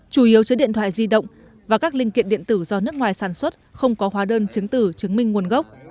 chủ yếu chứa điện thoại di động và các linh kiện điện tử do nước ngoài sản xuất không có hóa đơn chứng tử chứng minh nguồn gốc